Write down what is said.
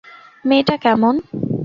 মেয়েটা কেমন?